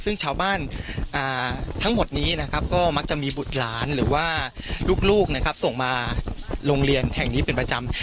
ซึ่งชาวบ้านทั้งหมดนี้นะครับก็มักจะมีบุตรหลานหรือว่าลูกนะครับส่งมาโรงเรียนแห่งนี้เป็นประจำ